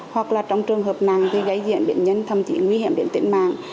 hoặc là trong trường hợp nặng thì gây diện biện nhân thậm chí nguy hiểm đến tiện mạng